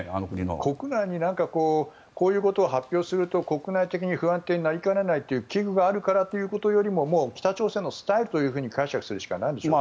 国外にこういうことを発表すると国内的に不安定になりかねないという危惧があるからというより北朝鮮のスタイルと解釈するしかないんでしょうか。